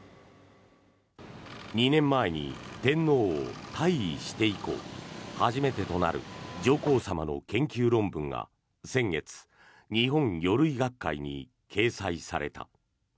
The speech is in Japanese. ２年前に天皇を退位して以降初めてとなる上皇さまの研究論文が先月、日本魚類学会に掲載された。